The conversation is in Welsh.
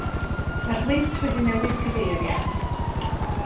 Mae'r gwynt wedi newid cyfeiriad.